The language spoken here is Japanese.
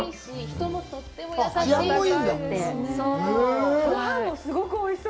人もとっても優しいし。